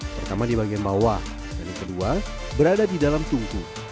pertama di bagian bawah dan yang kedua berada di dalam tungku